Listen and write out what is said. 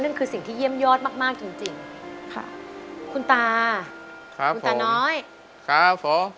คือสิ่งที่เยี่ยมยอดมากมากจริงจริงค่ะคุณตาครับคุณตาน้อยครับผม